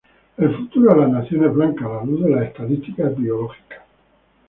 El futuro de las naciones blancas a la luz de las estadísticas biológicas".